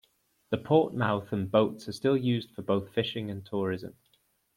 The port mouth and boats are still used for both fishing and tourism.